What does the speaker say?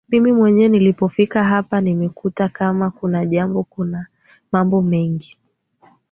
mimi mwenyewe nilipofika hapa nimekuta kama kuna jambo kuna mambo mengi